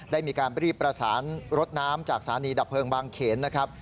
ได้มีการรีบประสานรถน้ำจากสถานีดับเพลิงบางเขนนะครับ